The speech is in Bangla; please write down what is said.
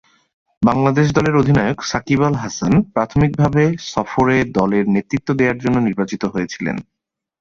বাংলাদেশ দলের অধিনায়ক, সাকিব আল হাসান, প্রাথমিকভাবে সফরে দলের নেতৃত্ব দেয়ার জন্য নির্বাচিত হয়েছিলেন।